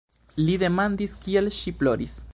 Li demandis, kial ŝi ploris.